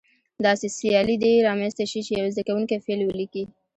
داسې سیالي دې رامنځته شي چې یو زده کوونکی فعل ولیکي.